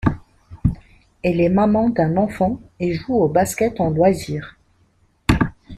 Elle est maman d'un enfant et joue au basket en loisir.